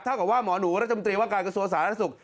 เท่ากับว่าหมอหนูรัฐจำนตรีว่าการกระทรวจสหรัฐสุข